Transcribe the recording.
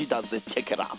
チェケラ！